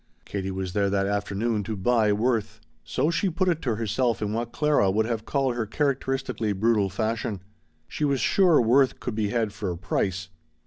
Katie was there that afternoon to buy Worth. So she put it to herself in what Clara would have called her characteristically brutal fashion. She was sure Worth could be had for a price.